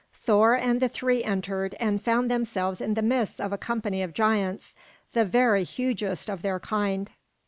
Thor and the three entered, and found themselves in the midst of a company of giants, the very hugest of their kind.